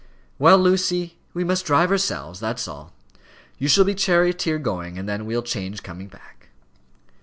"Well, Lucy, we must drive ourselves, that's all. You shall be charioteer going, and then we'll change coming back."